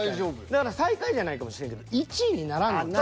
だから最下位じゃないかもしれんけど１位にならんのちゃう？